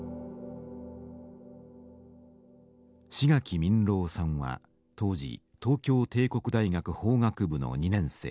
志垣民郎さんは当時東京帝国大学法学部の２年生。